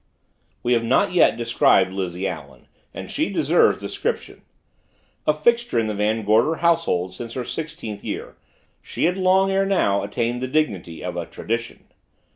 We have not yet described Lizzie Allen and she deserves description. A fixture in the Van Gorder household since her sixteenth year, she had long ere now attained the dignity of a Tradition.